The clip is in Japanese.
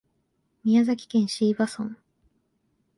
宮崎県椎葉村